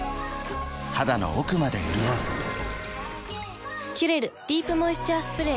肌の奥まで潤う「キュレルディープモイスチャースプレー」